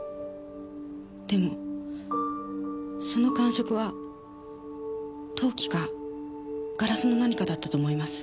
でもその感触は陶器かガラスの何かだったと思います。